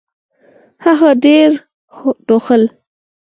هغه ډېر ټوخل .